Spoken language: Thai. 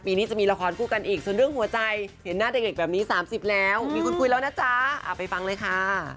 นี้จะมีละครคู่กันอีกส่วนเรื่องหัวใจเห็นหน้าเด็กแบบนี้๓๐แล้วมีคนคุยแล้วนะจ๊ะไปฟังเลยค่ะ